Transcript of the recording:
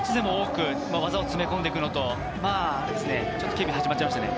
一つでも多く技を詰め込んでいくのと、ケビン、始まりましたね。